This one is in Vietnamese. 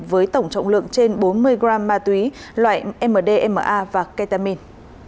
với tổng trọng lượng trên bốn mươi gram ma túy loại mdma và ketamin